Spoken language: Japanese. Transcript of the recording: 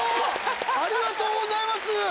ありがとうございます！